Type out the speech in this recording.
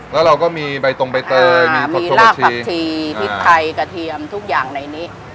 แล้วเราก็มีใบตงใบเตยมีรากผักชีพริกไทยกระเทียมทุกอย่างในนี้